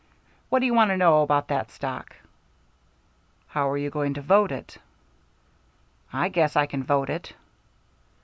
"What do you want to know about that stock?" "How are you going to vote it?" "I guess I can vote it."